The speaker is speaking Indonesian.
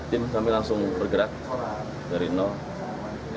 tim kami langsung bergerak dari nol